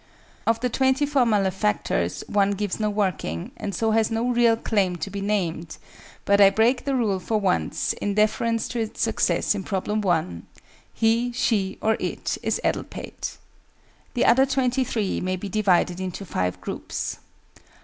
Of the twenty four malefactors, one gives no working, and so has no real claim to be named; but I break the rule for once, in deference to its success in Problem 1: he, she, or it, is ADDLEPATE. The other twenty three may be divided into five groups.